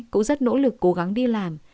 cũng rất nỗ lực cố gắng đi làm